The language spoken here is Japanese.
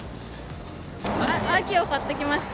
秋を買ってきました。